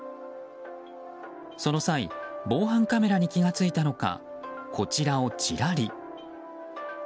その際防犯カメラに気が付いたのかこちらをチラリ。